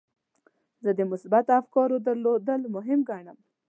زه د مثبتو افکارو درلودل مهم ګڼم.